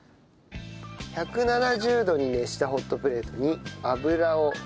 １７０度に熱したホットプレートに油をちょっと引いて。